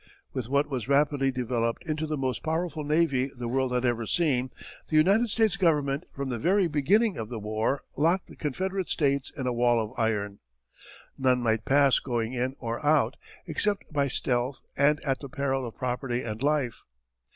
With what was rapidly developed into the most powerful navy the world had ever seen, the United States Government from the very beginning of the war locked the Confederate States in a wall of iron. None might pass going in or out, except by stealth and at the peril of property and life.